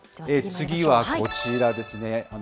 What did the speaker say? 次はこちらですね。